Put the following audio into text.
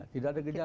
tidak ada gejalanya